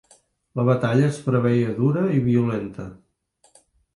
La batalla es preveia dura i violenta.